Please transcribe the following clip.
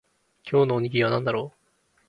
今日のおにぎりは何だろう